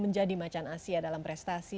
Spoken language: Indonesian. menjadi macan asia dalam prestasi